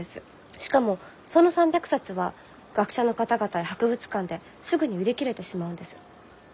しかもその３００冊は学者の方々や博物館ですぐに売り切れてしまうんです。